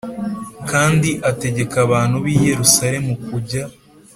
Kandi ategeka abantu b i Yerusalemu kujya